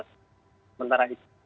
dan sementara itu